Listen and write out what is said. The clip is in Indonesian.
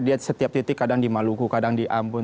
dia setiap titik kadang di maluku kadang di ampun